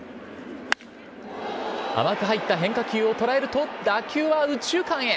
甘く入った変化球を捉えると打球は右中間へ。